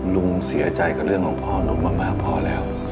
ลุงเสียใจกับเรื่องของพ่อลูกมากพอแล้ว